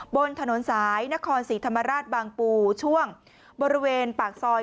บนถนนสายนครศรีธรรมราชบางปูช่วงบริเวณปากซอย